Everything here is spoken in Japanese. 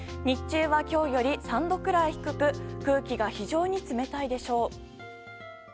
日中は今日より３度くらい低く空気が非常に冷たいでしょう。